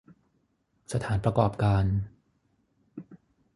สถานประกอบการ